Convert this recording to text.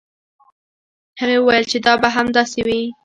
هغې وویل چې دا به هم داسې وي.